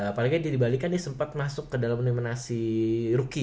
apalagi dia di bali kan dia sempat masuk ke dalam nominasi rookie